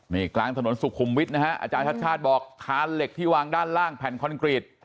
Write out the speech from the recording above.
นี่กลางถนนสุขุมวิทย์นะฮะอาจารย์ชาติชาติบอกคานเหล็กที่วางด้านล่างแผ่นคอนกรีต